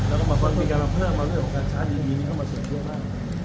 แล้วก็มีการเพิ่มเอาเรื่องของการชาร์จดีนี้เข้ามาเกี่ยวมาก